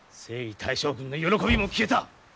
征夷大将軍の喜びも消えた！